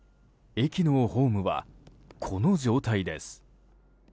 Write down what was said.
駅のホームはこの状態です。